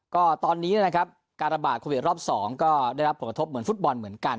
การระบาดโควิด๑๙รอบ๒ได้รับปฐกษ์เหมือนฟุตบอลเหมือนกัน